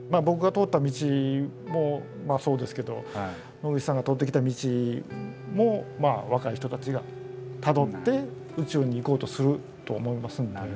僕が通った道もそうですけど野口さんが通ってきた道も若い人たちがたどって宇宙に行こうとすると思いますんで。